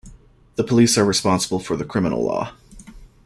The Police are responsible for the criminal law.